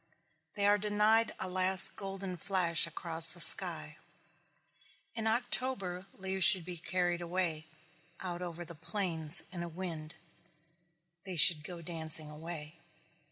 They are denied a last golden flash across the sky. In October leaves should be carried away, out over the plains, in a wind. They should go dancing away.